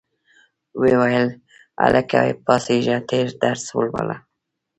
ویې ویل هلکه پاڅیږه تېر درس ولوله.